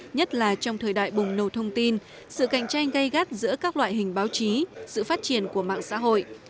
nhất là trong thời đại bùng nổ thông tin sự cạnh tranh gây gắt giữa các loại hình báo chí sự phát triển của mạng xã hội